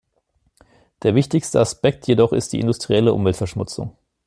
Der wichtigste Aspekt jedoch ist die industrielle Umweltverschmutzung.